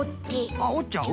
あっおっちゃう？